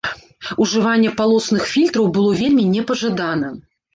Ужыванне палосных фільтраў было вельмі непажадана.